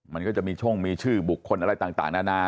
มันก็จะมีช่องมีชื่อบุคคลอะไรต่างนานา